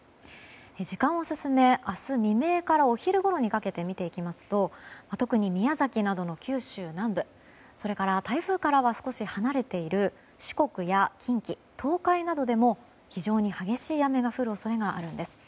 時間を進め、明日未明からお昼ごろにかけて見ていきますと特に宮崎などの九州南部それから台風からは少し離れている四国や近畿、東海などでも非常に激しい雨が降る恐れがあるんです。